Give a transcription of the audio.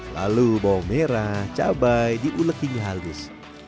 lalu bawang merah cabai diulek hingga halus